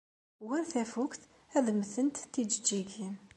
War tafukt, ad mmtent tijeǧǧigin.